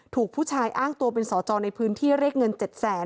ถูกผู้ชายอ้างตัวเป็นสอจอในพื้นที่เรียกเงิน๗แสน